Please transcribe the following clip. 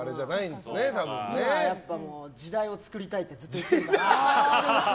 今は時代を作りたいってずっと言ってるから。